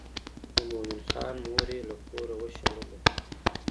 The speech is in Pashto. د مومن خان مور یې له کوره وشړله.